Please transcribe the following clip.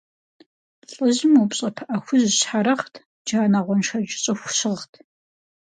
ЛӀыжьым упщӀэ пыӀэ хужь щхьэрыгът, джанэ-гъуэншэдж щӀыху щыгът.